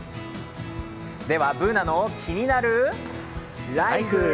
では「ＢｏｏｎａのキニナルＬＩＦＥ」。